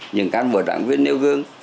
những cán bộ đảng viên nêu gương